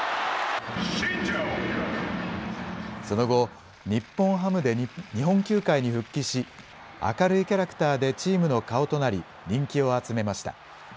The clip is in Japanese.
その後、日本ハムで日本球界に復帰し、明るいキャラクターでチームの顔となり人気を集めました。